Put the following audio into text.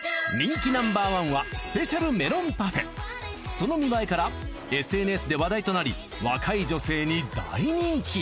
その見栄えからＳＮＳで話題となり若い女性に大人気。